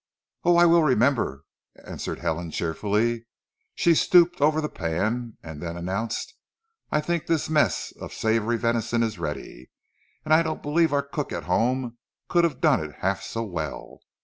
"Oh, I will remember," answered Helen cheerfully. She stooped over the pan, and then, announced: "I think this mess of savoury venison is ready, and I don't believe our cook at home could have done it half so well.